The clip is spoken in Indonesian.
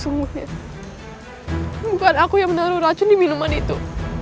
bukan aku yang menaruh racun di minuman itu